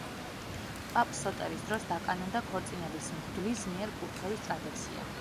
პაპ სოტერის დროს დაკანონდა ქორწინების მღვდლის მიერ კურთხევის ტრადიცია.